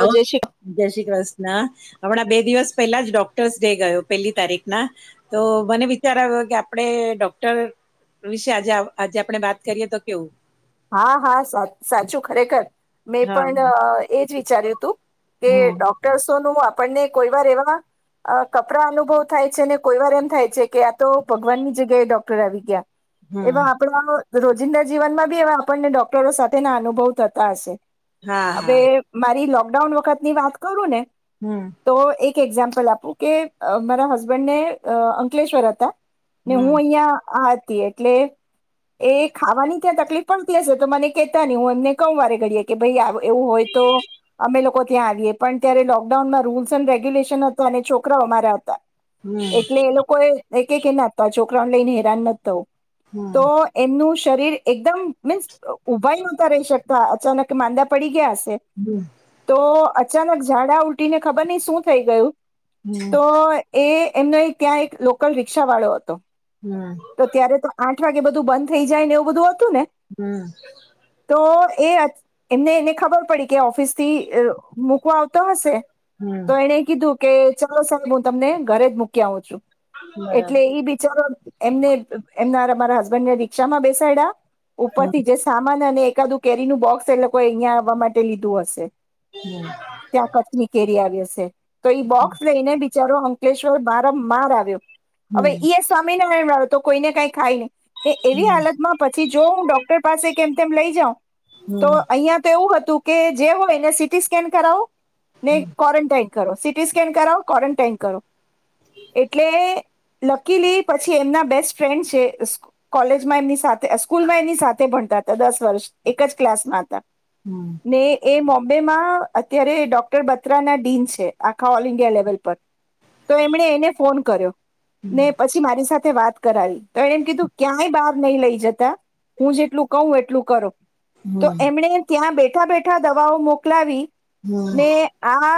Hello જે શ. જય શ્રી કૃષ્ણ હમણાં બે દિવસ પેલા જ ડોક્ટર્સ ડે ગયો પેલી તારીખ ના. તો મને વિચાર આવ્યો કે આપડે ડોક્ટર. વિશે આજે આજે આપણે વાત કરીએ તો કેવું. હા હા સાચું ખરેખર મેં હા પણ હા એજ વિચાર્યું હતું. કે હમ ડોક્ટર્સો નું આપણને કોઈ વાર એવા. અ કપડા અનુભવ થાય છે, ને કોઈ વાર એમ થાય છે, કે આ તો ભગવાન ની જગ્યાએ ડોક્ટર આવી ગયા હમ એવા આપણા રોજિંદા જીવનમાં બી એ આપણને ડોક્ટરો સાથેના અનુભવ થતા હશે હા હવે, હા મારી લોકડાઉન વખત ની વાત કરું ને હમ્મ તો એક એક્ઝામ્પલ આપું કે મારા હસબન્ડ ને અંકલેશ્વર હતા. ને હમ હું અહિયાં આ હતી એટલે એ ખાવાની ક્યાં તકલીફ પણડતી હશે તો મને કેતા નહી હું એમને કૌ વારે ઘડીએ કે ભાઈ એવું હોય, તો અમે લોકો ત્યાં આવીએ પણ ત્યારે લોકડાઉનમાં રૂલ્સ એન્ડ રેગ્યુલેશન હત અને છોકરાઓ અમારા હતા. હમ એટલે એ લોકો એ કે ના છોકરાને લઈને હેરાન નથી, થવું હમ તો. એમનું શરીર એકદમ મીન્સ ઉઊભા નહોતા રહી, શકતા અચાનક માંદા પડી ગયા હશે.. હમ્મ તો અચાનક ઝાડા ઉટી ને ખબર નહ શું થઈ ગયું તો એ એમનો ત્યાં એક લોકલ રિક્ષા વાળો હતો. હમ્મ તો ત્યારે તો આઠ વાગે બધું બંધ થઇ જાય, ને એવું બધું હતુ ને હમ્મ તો એ એમને એને ખબર પડી કે ઓફિસ થી મૂકવા હશે હમ હમ તો એને કીધું કે ચાલો સાહેબ હું તમને ઘરે જ મૂકી આવું છુ. બરાબર એટલે ઈ બિચારો એમને એમના અમારા હસબન્ડ ને રિક્ષા માં બેસાડ્યા હમ ઉપરથી જે સામાન અને એકાદું કેરીનું બોક્સ એ લોકો અહિયાં, આવવા માટે લીધું હશે હમ ત્યાં કચ્છની કેરી આવી હશે તો બોક્સ લઈને બિચારોં અલેશ્વર માર માર આવ્યો હવે હમ હમ ઈ સમવામીનારાયણ વાળો હતો કોઈને કઈ ખાય નહી એ એવી હાલતમાં પછી, જો હું ડોક્ટર પાસે કેમ તેમ લઈ જાઉ હમ હમ તો અહીિયાં તો એવું હતું કે જે હોય એને સીટી સ્કેન કરાવો ને ક્વોરન્ટાાઈન કરો સીટી સ્કેન કરાવો ક્વોરન્ટાાઈન, કરો એટલે લકીલી પછી એમના બેસ્ટ ફ્રેન્ડ છે. કોલેજમાં એમની સાથે સ્કૂલમાં એની સાથે ભણતા હતા દસ વર્ષ એક જ ક્લાસમાં હતા. હમ્મ ને એ મોોમ્બેમાં અત્યારે ડોક્ટર બત્રા ના ડીન છે, આખા ઓલ ઈન્ડિયા લેવલ પર. તો એમણે એને ફોન કર્યો ને પછી મારી સાથે વાત કરાવી તો એણે એમ કીધું ક્યાંય બહાર નહી લઈ જતા હુ, જેટલું કહું એટલું કરો તો એમણે ત્યાં બેઠા બેઠા દવાઓ મોકલાવી ને આ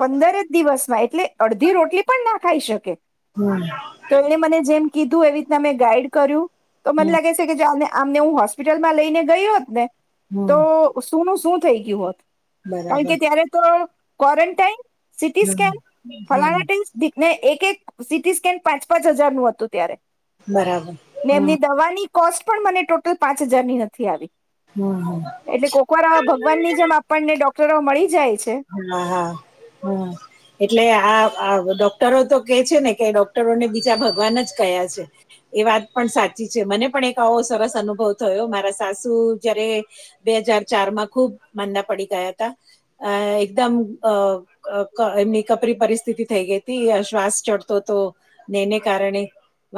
પંદર જ દિવસમાં એટલે અડધી રોટલી પણ ના ખાઈ શકે હમ્મ તો એને મને જેમ કીધું એવી રીતના મેમે ગાઈડ કર્યું તો મને હમ લાગે છે, કે આમને હું હોસ્પિટલમાં લઈને ગયો હોત, ને હમ્મ શુંનુંું શું થઈ ગયું હોત કારણ બરાબર કે ત્યારે તો ક્રન્ટાઈન સિટી હમ સ્કન હમ ફલાણા ને એક એક સીટી સ્કેન પાંચ પાંચ હજાર નુ, હતું ત્યારે બરાબર ને હમ એમની દવાની કોસ્ટ પણ મને ટોટલ પાંચ હજાર ની નથી, આવી હમ-હમ. એટલે કોકવારાવા ભગવાન ની જેમ આપણને ડોક્ટરો મળી જાય છે. હાલવ, હમ- એટલે આ ડોક્ટરો તો કે છેને, કે ડોક્ટરોને બીજા ભગવાન જ કયા છે એ વાત પણ સાચી છે મને પણ એક આવો સરસ અનુભવ થયો મારા સાસુ જયારે બે હજાર ચાર માં ખુબ મંદા પડી ગયા હતા અ એકદમ અ એમની કપરી પરિસ્થિતિ થઈ ગઈ હતી, શ્વાસ ચડતો હતો ને એને કારણે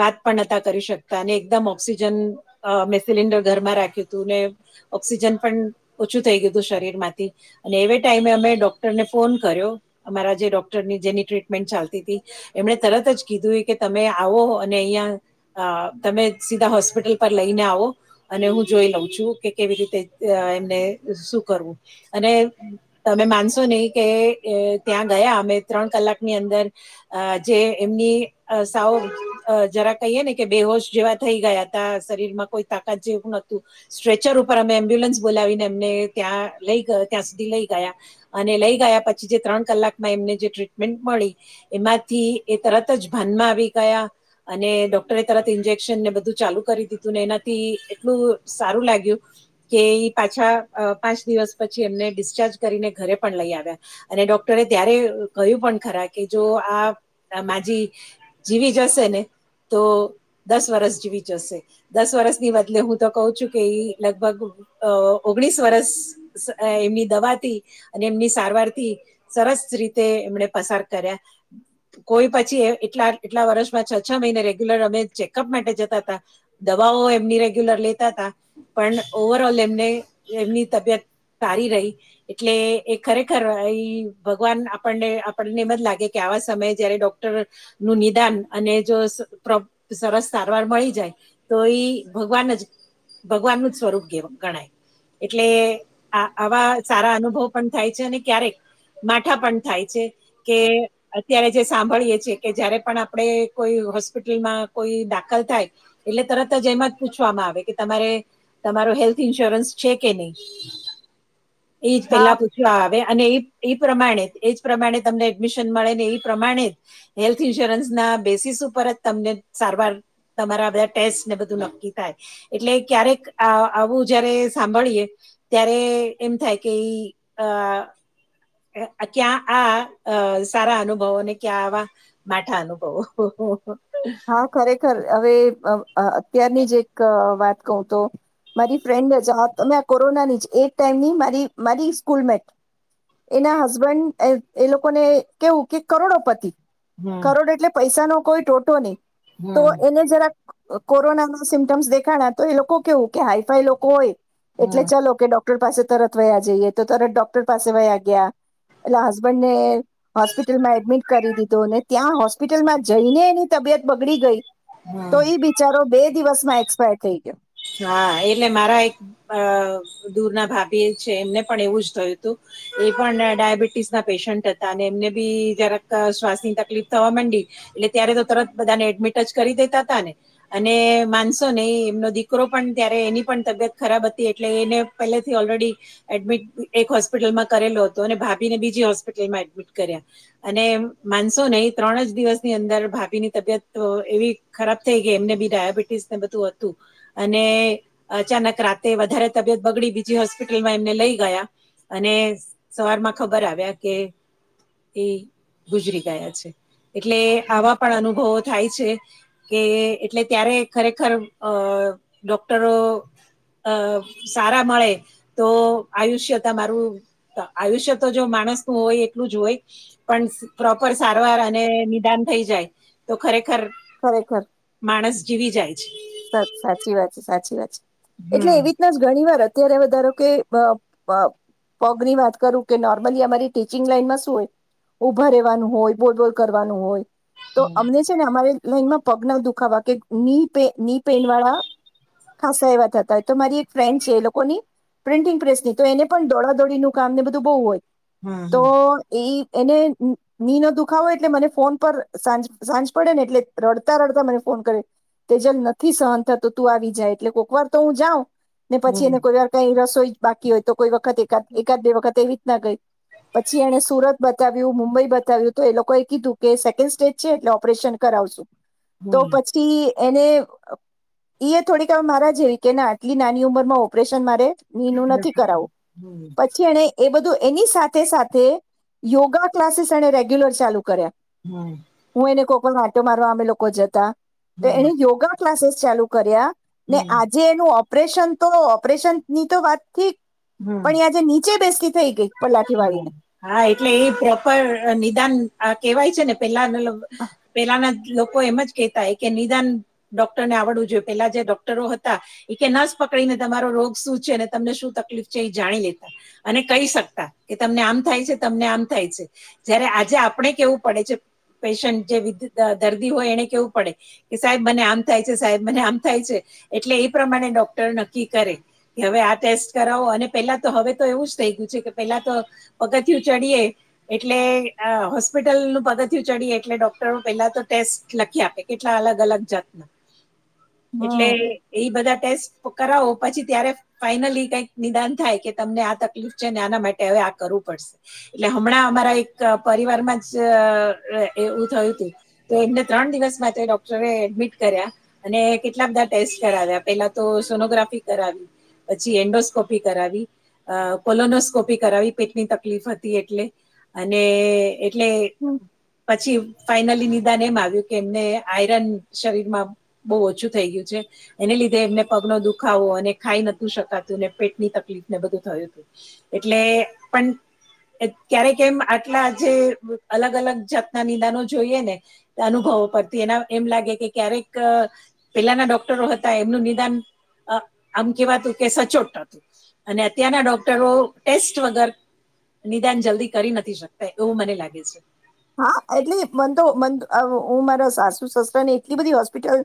વાત પણ નતા કરી શકતા અને એકદમ ઓક્સિજન મેં સિલિન્ડર ઘરમાં રાખ્યું હતુ, ને ઓક્સિજન પણ ઓછું થઈ ગયું હતું શરીર માંથી અને એ ટાઈમે અમે ડોક્ટરને ફોન કર્યો અમારા જે ડોક્ટરની જેની ટ્રીટમેન્ટ ચાલતી હતી. એમણે તરત જ કીધું કે તમે આવો અને અહિયાં અ તમે સીધા હોસ્પિટલ પર લઈને આવો અને હું જોઈ લઉં છું કે કેવી રીતે એમને શું કરવું અને તમે માનશો નહી કે ત્યાં ગયા અમે ત્રણ કલાકની અંદર અ જે એમની સાઓ જરા કહીએ ને કે બેહોશ જેવા થઈ ગયા. શરીર માં કોઈ તાકાત જેવું નતું સ્ટ્રેચર ઉપર અમે એમ્બ્યુલન્સ બોલાવીને એમને ત્યાં લઈ ગ ત્યાં સુધી લઈ ગયા અને લઈ ગયા પછી જે ત્રણ કલાકમાં એમને જે ટ્રીટમેન્ટ મળી એમાંથી એ તરત જ ભાનમાં આવી ગયા. અને ડોક્ટરે તરત ઇન્જેક્શન ને બધું ચાલુ કરી દીધું ને એનાથી એટલું સારું લાગ્યું. કે પાછા પાંચ દિવસ પછી એમને ડિસ્ચાર્જ કરીને ઘરે પણ લઈ આવ્યા અને ડોક્ટરે ત્યારે કહ્યું પણ ખરા કે જો આ માજી જીવી જશે ને તો દસ વર્ષ જીવી જશે. દસ વર્ષની બદલે હું તો કહુ છું કે લગભગ એ ઓગણીસ વર્ષ એમની દવા અને એમની સારવાર થી સરસ રીતે એમને પસાર કર્યા. કોઈ પછી એટલા એટલા વર્ષમાં છ છ મહિને રેગ્યુલર અમે ચેકઅપ માટે જતા હતા. દવાઓ એમની રેગ્યુલર લેતા તા પણ ઓવર ઓલ એમને એમની તબિયત સારી રહી. એટલે એ ખરેખર એ ભગવાન આપણને આપણને એમ જ લાગે કે આવા સમયે જયારે ડોક્ટર નું નિદાન અને જો સરસ સારવાર મળી જાય. તો ઈ ભગવાન જ ભગવાનનું જ સ્વરૂપ ગણાય એટલે આ આવા. સારા અનુભવ પણ થાય છે અને ક્યારેક માઠા પણ થાય છે કે અત્યારે જે સાંભળીએ છેએ કે જયારે પણ આપણેે કોઈ હોસ્પિટલમાં કોઈ દાખલ થાય. એટલે તરત જ એમાં જ પૂછવામાં આવે કે તમારે તમારો હેલ્થ ઇન્સ્યોરન્સ છે કે નહી એ જ હા પેલા પૂછે. આવે અને એ એ પ્રમાણે જ એજ પ્રમાણે તમને એડમિશન મળે ને એ પ્રમાણે જ હેલ્થ ઇન્સ્યોરન્સના બેસીસ ઉપર જ તમને સારવાર તમારા બધા ટેસ્ટ ને બધું નક્કી થાય. એટલે ક્યારેક આવું જયારે સાંભળીએ ત્યારે એમ થાય કે એ આ ક્યાં આ સારા અનુભવોને ક્યાં આવા. માઠા અનુભવો હા ખરેખર હવે અત્યારની જ એક વાત કહું તો મારી ફ્રેન્ડ જ તમે આ કોરોનાની એ ટાઈમ ની મારી મારી સ્કૂલ મેટ એના હસબેન્ડ એ લોકોને કેવું કે કરોડોપતિ હમ, કરોડ એટલે પૈસાનો કોઈ ટોટો નહી હમ, તો હમ, એને જરા. કોરોના ના સિમ્ટન્સ દેખાડ્યા તો એ લોકો કેવું કે હાઈફાઈ લોકો હોય. એટલે હમ. ચાલો કે ડોક્ટર પાસે તરત વયા જઈએ તો તરત ડોક્ટર પાસે વયા ગયા. એટલે હસબંડ ને હોસ્પિટલમાં એડમિટ કરી દીધો અને ત્યાં હોસ્પિટલમાં જઈને એની તબિયત. બગડી ગઈ તો બિચારો બે દિવસ માં એક્સપાયર થઈ ગયો. હા એટલે મારા એક દૂર ના ભાભી છે એમને પણ એવું જ થયું હતું. એ પણ ડાયાબિટીસ ના પેશન્ટ હતા અને એમને બી જરાક શ્વાસની તકલીફ થવા માંડી એટલે ત્યારે તો તરત બધાને એડમિટ જ કરી દેતા હતા ને અને માનસો નય એમનો દીક છોકરો પણ ત્યારે એની પણ તબિયત ખરાબ હતી એટલે એને પહેલેથી ઓલરેડી એડમિટ એક હોસ્પિટલમાં કરેલો હતો અને ભાભી ને બીજી હોસ્પિટલમાં એડમિટ કર્યા. અને માનસો નય ત્રણ જ દિવસની અંદર ભાભીની તબિયત એવી. ખરાબ થઈ ગઈ એમને બી ડાયાબિટીસ ને બધું હતું. અને અચાનક રાતે વધારે તબિયત બગડી બીજી હોસ્પિટલમાં એમને લઈ ગયા. અને સવારમાં ખબર આવ્યા કે એ ગુજરી ગયા છે. એટલે આવા પણ અનુભવો થાય છે. કે એટલે ત્યારે ખરેખર અ ડોક્ટરો અ સારા મળે તો આયુષ્ય તમારું આયુષ્ય તો જો માણસ નું હોય એટલું જ હોય. પણ પ્રોપર સારવાર અને નિદાન થઈ જાય તો ખરેખર. ખરેખર માણસ જીવી જાય છે. સત સાચી વાત છે સાચી વાત છે એટલે હમ એવી. પસ ઘણી વાર અત્યારે વધારો કે પગ ની વાત કરું કે નોર્મલી અમારી ટીચિંગ લાઈનમાં શું હોય. ઉભા રહેવાનું હોય બોલબોલ કરવાનું હોય. તો અમને છે ને અમારે લાઈનમાં પગના દુખાવા કે ની પેન વાળા ખાસા એવા થતા હોય તો મારી એક ફ્રેન્ડ છે એ લોકો ની પ્રિન્ટિંગ પ્રેસની તો એને પણ દોડાદોડીનું કામને બધું બહુ હોય હમ તો હમ એ એને મી નો દુખાવોય એટલે મને ફોન પરંજ સાંજ પડે ને એટલે રડતા રડતા મને ફોન કરે તેજલ નથી સહન થતો તું આવી જાય એટલે કોઈક વાર તો હું જાઉં ને પછી હમ એને કોઈ વાર કઈ રસોઈ. બાકી હોય તો કોઈ વખત એકાદ એકાદ બે વખત એવી જ ના ગઈ. પછી એણે સુરત બતાવ્યું મુંબઈ બતાવ્યું તો એ લોકોએ કીધું કે સેકન્ડ સ્ટેજ છે એટલે ઓપરેશન કરાવશું. તો હમ પછી એને ઈ એ થોડીક મારા જેવી કે ને આટલી નાની ઉંમર માં ઓપરેશન મારે નિનું હમ નથી કરાવું પછી એને એ બધું એની સાથે સાથે યોગા ક્લાસીસ એ રેગ્યુલર ચાલુ કર્યા. હમ. હું એને કોક વાટો મારવા અમે લોકો જતા હમ તો એને યોગા ક્લાસીસ ચાલુ કર્યા. હમ ને આજે એનું ઓપરેશન તો ઓપરેશન ની તો વાત થી. પણ એ આજે નીચે બેસતી થઈ ગઈ. પલાઠી હ વાળીને હા એટલે એ પ્રોપર નિદાન આ કેવાય છે ને પેલા પેલાના લોકો એમ જ કેતા હ કે નિદાન. ડોક્ટર ને આવડવું જોઈએ પેલા જે ડોક્ટરો હતા. એ કે ન જ પકડીને તમારો રોગ શું છે અને તમને શું તકલીફ છે એ જાણી લેતા અને કહી શક. કે તમને આમ થાય છે તમને આમ થાય છે જયારે આજે આપણે કેવું પડે છે. પેશન્ટ જે દર્દી હોય એને કેવું પડે કે સાહેબ મને આમ થાય છે સાહેબ મને આમ થાય છે એટલે એ પ્રમાણે ડોક્ટર નક્કી કરે. કે હવે આ ટેસ્ટ કરાવો અને પેલા તો હવે તો એવું જ થઇ ગયું છે કે પેલા તો પગથયું ચડીએે એટલે હોસ્પિટલ નું પગથું ચડી એટલે ડોક્ટરું પેલા તો ટેસ્ટ લખી આપે. કેટલા અલગ અલગ જાતના એટલે હમ એ બધા ટેસ્ટ કરાવો પછી ત્યારે ફાઈનલી કઈક નિદાન થાય કે તમને આ તકલીફ છે ને આના માટે હવે આ કરવું પડશે. એટલે હમણાં અમારા એક પરિવારમાં જ એવું થયું હતું. તો એમને ત્રણ દિવસ બાદ ડોક્ટરે એડમિટ કર્યા. અને કેટલા બધા ટેસ્ટ કરાવ્યા પેલા તો સોનોગ્રાફી કરાવી. પછી એન્ડોસ્કોપી કરાવી કોલોનોસ્કોપી કરાવી પેટની તકલીફ હતી એટલે અને એટલે પછી ફાઈનલી નિદાન એમ આવ્યું કે એમને આયરન શરીરમાં બહુ ઓછું થઈ ગયું છે. એને લીધે એમને પગ નો દુખાવો અને ખાઈ નતું શકાતું ને પેટની તકલીફ ને બધું થયું હતું. એટલે પણ ક્યારેક એમ આટલા જે અલગ અલગ જાતના નિદાનો જોઈએ ને અનુભવો પરથી એના એમ લાગે કે ક્યારેક. પેલાના ડોક્ટરો હતા એમનું નિદાન અ આમ કેવાતું કે સચોટ હતું. અને અત્યારના ડોક્ટરો ટેસ્ટ વગર નિદાન જલ્દી કરી નથી શકતા એવું મને લાગે છે. હા એટલી મન તો મંદ અવ હું મારા સાસુ સસરા ને એટલી બધી હોસ્પિટલ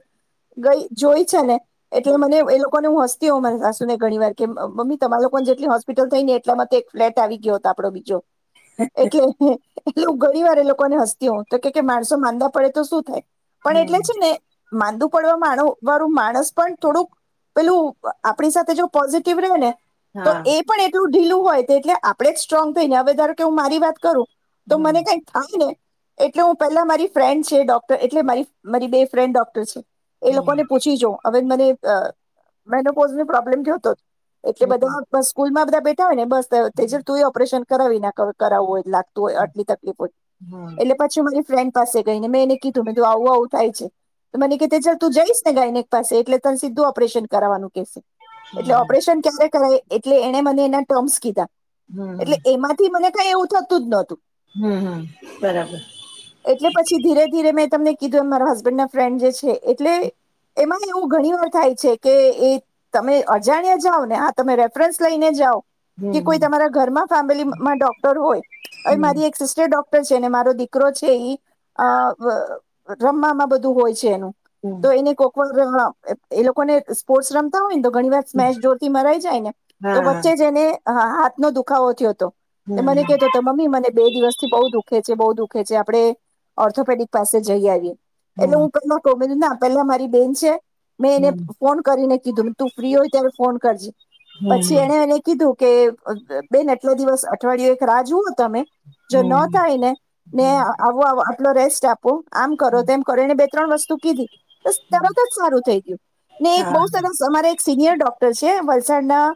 ગઇ જોય છે ને એટલે હમ. મને એ લો કો ને હું હસતી હોં મારી સાસુ ને ઘણી વાર કે મ મમ્મી તમારા લોકોને જેટલી હોસ્પિટલ થઈ ને એટલા મા તો એક ફ્લેટ આવી ગયો હતો આપડો બીજો. એટલે એટલું ઘણી વાર એ લોકોને હસતી હોવ તો કે કે માણસો માંદા પડે તો શું થાય? પણ એટલે હમ. છે ને માંદુ પડવા માનુ વાળું માણસ પણ થોડુંક પેલું આપણી સાથે જો પોઝિટિવ રહે ને તો હા એ પણ એટલું ઢીલું હોય, એટલે આપણેે જ સ્ટ્રોંગ થઈને હવે ધારો કે હું મારી વાત કરું તો બરાબર મને થાયને એટલે હું પેલા મારી ફ્રેન્ડ છે ડોક્ટર, એટલે મારી મારી બે ફ્રેન્ડ ડોક્ટર છે. એ હમ લોકોને પૂછી જોવું હવે મને અ મેનોપોઝ નુ પ્રોબ્લેમ થયોતો એટલે હમ બધા બ સ્કૂલમાં બધા બેઠા હોય ને બસ ત તેજલ તુંયે ઓપરેશન કરાવી નાખ હવે કરાવવું હોય લાગ તુ હોય, હમ આટલી તકલીફો, હા એટલે પછી મારી ફ્રેન્ડ પાસે ગઈને મેં એને કીધું મે તું આવું આવું થાય છે, તો મનેકે કે તેજલ તું જઈશ ને ગાઈનેક પાસે એટલે તને સીધું ઓપરેશન કરવાવાનું કેશે, એટલે હા ઓપરેશન ક્યારે કર એટલે એ મને એના ટર્મ્સ કીધા હમ એટલે હમ એમાં થી મને કઈ એવું થતું જ નહતું હમ્મ હમ્મ બરાબર એટલે પછી ધીરે ધીરે મેં તમને કીધું એમ મારા હસબન્ડ ના ફ્રેન્ડ જે છે એટલે એમાં એવું ઘણી વાર થાય છે કે એ તમે અજાણ્યા જાઓ ને હા તમે રેફરન્સ લઈને જાઓ કે કોઈ હમ તમારા ઘરમાં ફેમિલીમાં ડોક્ટર હોય હવે મારી હમ એક સિસ્ટર ડોક્ટર છે, અને મારો દીકરો છે ઇ અ વ રમવામાં બધું હોય છે એનું હમ્મ તો એને કોક [unintelligible] એ લોકોને સ્પોર્ટસ રમતા હોય ને તો ઘણી વાર સ્મેશ જોર થી મરાઈ જાય ને, તો હા વચ્ચે જેને હા હાથનો દુખાવો થયો હતો. તો હમ મને કેતો તો મમ્મી મને બે દિવસ થી બહુ દુખે છે, બહુ દુઃખે છે, આપડે ઓર્થોપેડિક પાસે જઈ આવીએ. એટલે હું ક ન કહુ બેન ના પેલા મારી બેન છે, મેં એને ફોન કરીને કીધું તું ફ્રી હોય ત્યારે ફોન કરજે, પછી એને એને કીધું કે અબ બેન એટલો દિવસ અઠવાડિય એક રાહ જુઓ તમે જો ન થાય ને ને આવું આવુ આટલો રેસ્ટ આપું આમ કરો તેમ કરીને બે ત્રણ વસ્તુ કીધી, બસ તરત જ સારું થઈ ગયું, ને એક બહુ સરસ સમારે એક સિનિયર ડોક્ટર છે વલસાડના.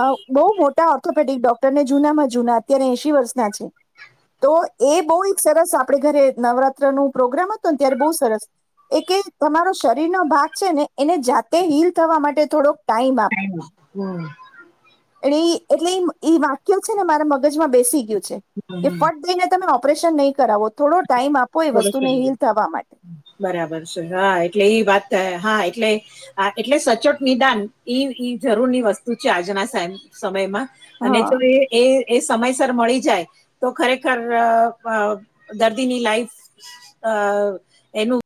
આવ બહુ મોટા ઓર્થોપેડિક ડોક્ટર ને જૂનામાં જૂના, અત્યારે એશી વર્ષના છે. તો એ બહુ એક સરસ આપડે ઘરે નવરાત્રનું પ્રોગ્રામ હતુને ત્યારે બહુ સરસ એ કે તમારો શરીર નો ભાગ છે ને એને જાતે હીલ થવા માટે થોડોક ટાઈમ આપો. હમ્મ એને ઈ એટલે ઇ ઈ વાક્ય છે ને મારા મગજમાં બેસી ગયું છે, કે ફટ દઈને તમે ઓપ પરેશન નહી કરાવો, થોડો ટાઈમ આપ [unintelligible] બરાબર છે, હા એટલે ઇ વાત હા એટલે આ એટલે સચોટ નિદાન ઈ ઈ જરૂર ની વસ્તુ છે આજના સેમ સમયમાં. અને હા જો એ એ એ સમયસર મળી જાય, તો ખરેખર દર્દીની લાઈફ અ એનું